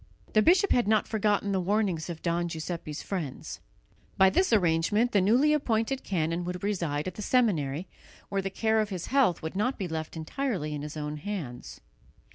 The bishop had not forgotten the warnings of Don Giuseppe's friends. By this arrangement the newly appointed canon would reside at the seminary, where the care of his health would not be left entirely in his own hands.